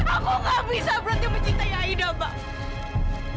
aku nggak bisa berarti mencintai aida pak